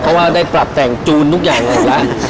เพราะว่าได้ปรับแต่งจูนทุกอย่างออกแล้ว